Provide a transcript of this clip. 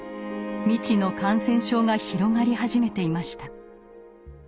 未知の感染症が広がり始めていました。